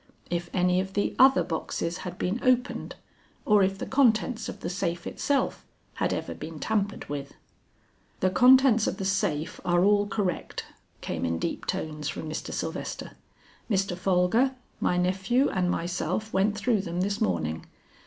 If any of the other boxes had been opened, or if the contents of the safe itself had ever been tampered with. "The contents of the safe are all correct," came in deep tones from Mr. Sylvester. "Mr. Folger, my nephew and myself went through them this morning.